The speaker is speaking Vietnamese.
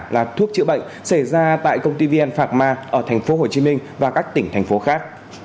là thuốc chữa bệnh xảy ra tại công ty vn phạc ma ở tp hcm và các tỉnh thành phố khác